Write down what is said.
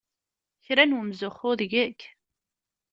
Kra n umzuxxu deg-k!